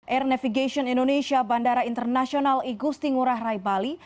air navigation indonesia bandara internasional igusti ngurah rai bali